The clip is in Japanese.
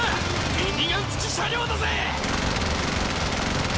ミニガン付き車両だぜ！